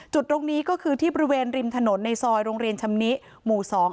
จุดตรงนี้ก็คือที่บริเวณริมถนนในซอยโรงเรียนชำนิหมู่สอง